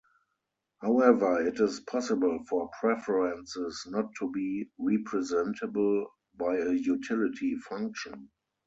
However, it is possible for preferences not to be representable by a utility function.